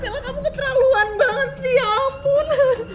bella kamu keterlaluan banget sih ya ampun